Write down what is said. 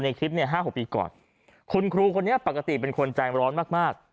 คลิปเนี่ย๕๖ปีก่อนคุณครูคนนี้ปกติเป็นคนใจร้อนมากมาก